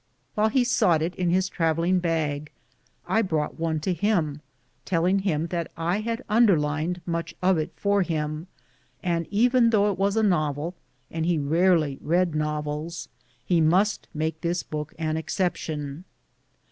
While he sought it in his travelling bag I brought one to him, telling him that I had underlined much of it for him, and though it was a novel, and he rarely read novels, he must make this book an exception.